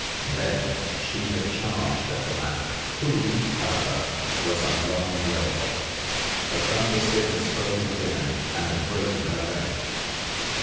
Then she had charged at the man, who, however, was a long way off. The thunder stick had spoken again, and had broken her leg.